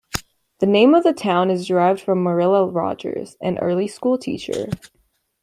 The name of the town is derived from Marilla Rogers, an early school teacher.